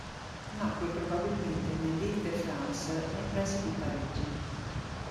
Nacque probabilmente nell'Île-de-France, nei pressi di Parigi.